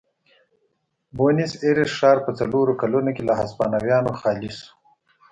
بونیس ایرس ښار په څلورو کلونو کې له هسپانویانو خالي شو.